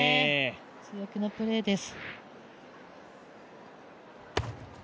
強気なプレーです。